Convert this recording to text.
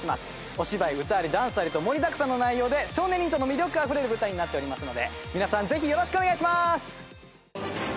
お芝居歌ありダンスありと盛りだくさんの内容で少年忍者の魅力あふれる舞台になっておりますので皆さんぜひよろしくお願いします！